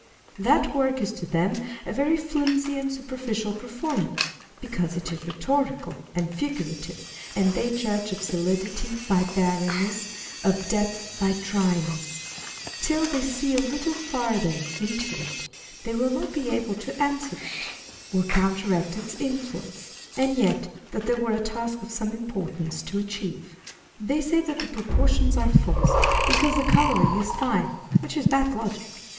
That work is to them a very flimsy and superficial performance, because it is rhetorical and figurative, and they judge of solidity by barrenness, of depth by dryness. Till they see a little farther into it, they will not be able to answer it, or counteract its influence; and yet that were a task of some importance to achieve. *_ On People of Sense. 347 They say that the proportions are false, because the colouring is fine, which is bad logic.